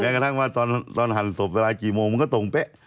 กระทั่งว่าตอนหั่นศพเวลากี่โมงมันก็ตรงเป๊ะ